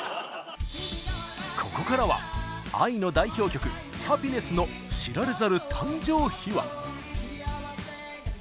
ここからはＡＩの代表曲「ハピネス」の知られざる誕生秘話！